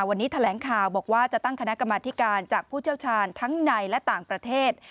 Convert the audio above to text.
วันนี้แถลงข่าวบอกว่าจะตั้งคณะกรรมธิการจากผู้เชี่ยวชาญทั้งในและต่างประเทศ